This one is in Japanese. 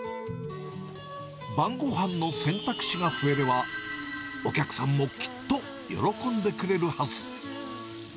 晩ごはんの選択肢が増えれば、お客さんもきっと喜んでくれるはず。